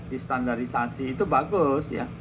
di standarisasi itu bagus ya